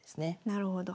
なるほど。